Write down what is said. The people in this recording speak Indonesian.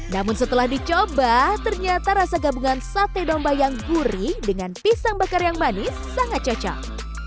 namun setelah dicoba ternyata rasa gabungan sate domba yang gurih dengan pisang bakar yang manis sangat cocok